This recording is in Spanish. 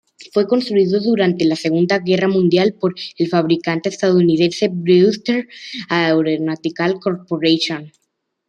Fue construido durante la Segunda Guerra Mundial por el fabricante estadounidense Brewster Aeronautical Corporation.